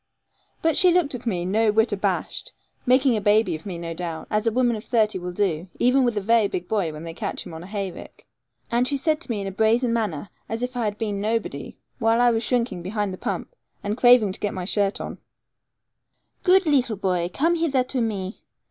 But she looked at me, no whit abashed, making a baby of me, no doubt, as a woman of thirty will do, even with a very big boy when they catch him on a hayrick, and she said to me in a brazen manner, as if I had been nobody, while I was shrinking behind the pump, and craving to get my shirt on, 'Good leetle boy, come hither to me.